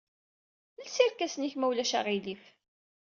Els irkasen-ik, ma ulac aɣilif.